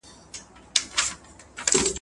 دا کتاب ډېر ګټور دی